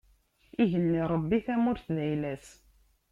Igenni n Ṛebbi, tamurt d ayla-s.